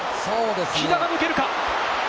木田が抜けるか？